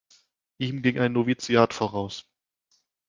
Ihm ging ein Noviziat voraus.